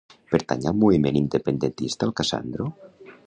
Pertany al moviment independentista el Cassandro?